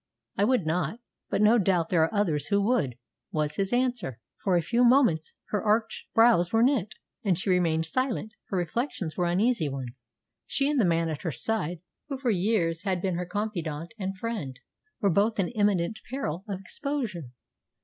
"I would not; but no doubt there are others who would," was his answer. For a few moments her arched brows were knit, and she remained silent. Her reflections were uneasy ones. She and the man at her side, who for years had been her confidant and friend, were both in imminent peril of exposure.